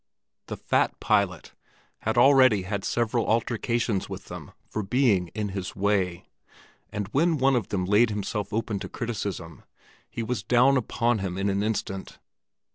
The fat pilot had already had several altercations with them for being in his way; and when one of them laid himself open to criticism, he was down upon him in an instant.